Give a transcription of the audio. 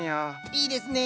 いいですね。